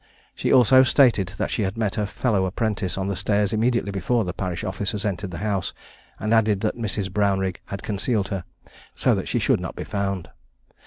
She also stated that she had met her fellow apprentice on the stairs immediately before the parish officers entered the house, and added that Mrs. Brownrigg had concealed her, so that she should not be found.